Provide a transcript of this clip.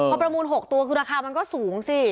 พอประมูล๖ตัวคือราคามันก็สูงสิ